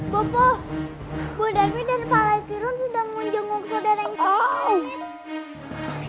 bapak bu darmid dan pak lai kirun sudah menjemur saudara yang sudah menemani